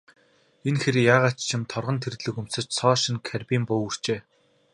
Энэ хэр яагаад ч юм бэ, торгон тэрлэг өмсөж, цоо шинэ карбин буу үүрчээ.